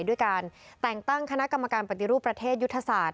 ด้วยการแต่งตั้งคณะกรรมการปฏิรูปประเทศยุทธศาสตร์